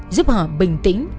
giúp họ bình tĩnh